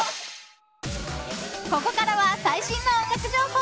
ここからは最新の音楽情報！